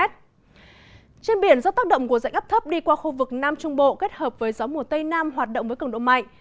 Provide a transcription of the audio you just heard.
trên biển do tác động của dạnh áp thấp đi qua khu vực nam trung bộ kết hợp với gió mùa tây nam hoạt động với cường độ mạnh